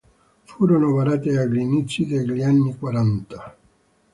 Furono varate agli inizi degli anni quaranta.